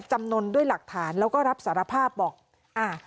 จำนวนด้วยหลักฐานแล้วก็รับสารภาพบอกอ่า